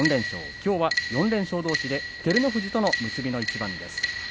きょうは４連勝どうしで照ノ富士との結びの一番です。